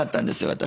私。